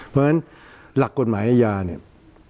เพราะฉะนั้นหลักกฎหมายอาญาเนี่ย